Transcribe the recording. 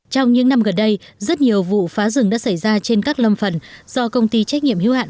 trong những năm gần đây rất nhiều vụ phá rừng đã xảy ra trên các lâm phần do công ty trách nhiệm hiếu hạn